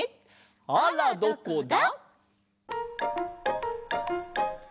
「あらどこだ」。